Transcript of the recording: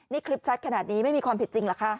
นี่คลิปชัดขนาดนี้ไม่มีความผิดจริงเหรอคะ